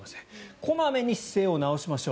小まめに姿勢を直しましょう。